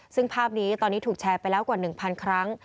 ซึ่งภาพนี้ตอนนี้ถูกแชร์ไปแล้วกว่า๑๐๐ครั้ง